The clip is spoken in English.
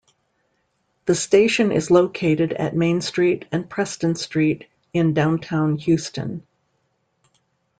The station is located at Main Street and Preston Street in Downtown Houston.